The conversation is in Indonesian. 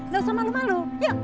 gak usah malu malu